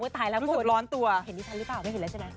ตายแล้วร้อนตัวเห็นดิฉันหรือเปล่าไม่เห็นแล้วใช่ไหม